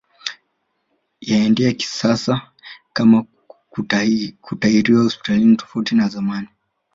Yanaenda kisasa kama kutahiriwa hospitalini tofauti na zamani